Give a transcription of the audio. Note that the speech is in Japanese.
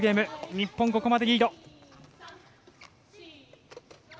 日本、ここまでリード。